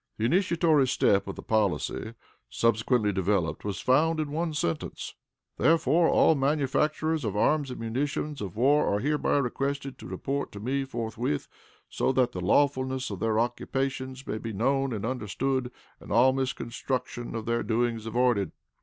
The initiatory step of the policy subsequently developed was found in one sentence: "Therefore, all manufacturers of arms and munitions of war are hereby requested to report to me forthwith, so that the lawfulness of their occupations may be known and understood, and all misconstruction of their doings avoided."